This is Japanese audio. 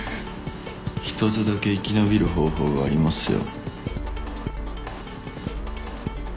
一つだけ生き延びる方法がありますよ。